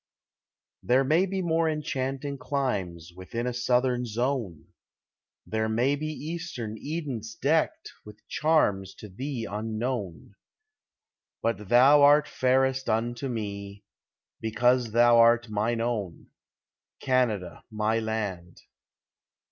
There may be more enchanting climes Within a southern zone; There may be eastern Edens deckt With charms to thee unknown; But thou art fairest unto me, Because thou art mine own, Canada, my land.